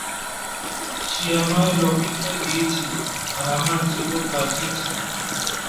সে আমায় লকেটটা দিয়েছিল আর আমার জীবন বাঁচিয়েছিল।